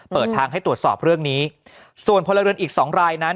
เปิดทางให้ตรวจสอบเรื่องนี้ส่วนพลเรือนอีกสองรายนั้น